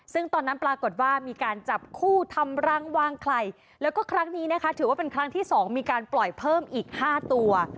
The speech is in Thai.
ซึ่งตอนนั้นปรากฏว่ามีการจับคู่ทำรังวางไข่แล้วก็ครั้งนี้นะคะถือว่าเป็นครั้งที่สองมีการปล่อยเพิ่มอีก๕ตัว